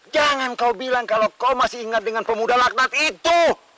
jangan kau bilang kalau kau masih ingat dengan pemuda laknat itu